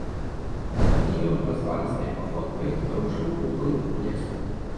Тады ён развалістай паходкай рушыў у глыб лесу.